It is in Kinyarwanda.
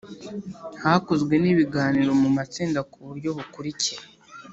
Hakozwe n ibiganiro mu matsinda ku buryo bukurikira